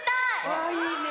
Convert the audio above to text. あいいね。